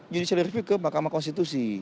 judicial review ke mahkamah konstitusi